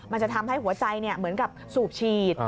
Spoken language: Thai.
มันจะทำให้หัวใจเหมือนกับสูบฉีด